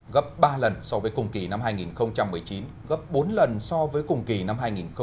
gấp ba lần so với cùng kỳ năm hai nghìn một mươi chín gấp bốn lần so với cùng kỳ năm hai nghìn một mươi tám